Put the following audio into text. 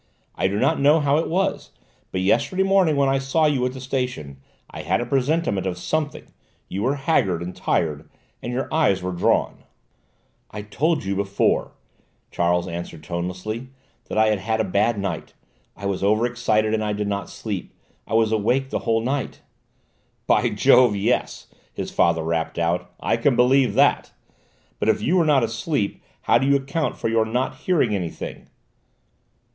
I do not know how it was, but yesterday morning when I saw you at the station I had a presentiment of something: you were haggard, and tired, and your eyes were drawn " "I told you before," Charles answered tonelessly "that I had had a bad night: I was over excited and did not sleep: I was awake the whole night." "By Jove, yes!" his father rapped out: "I can believe that! But if you were not asleep, how do you account for your not hearing anything?"